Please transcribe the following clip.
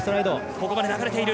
ここまで流れている。